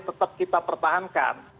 tetap kita pertahankan